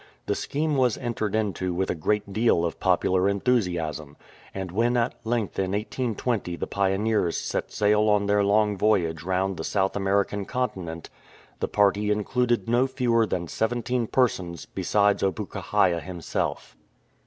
The scheme was entered into with a great deal of popular en thusiasm. And when at length in 1820 the pioneers set sail on their long voyage round the South American con tinent, the party included no fewer than seventeen persons besides Opukahaia himself.